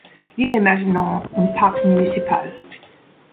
L'île est maintenant un parc municipal.